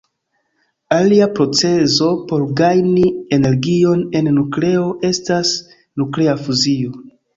Alia procezo por gajni energion el nukleo estas nuklea fuzio.